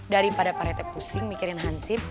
daripada pak reti pusing mikirin hansip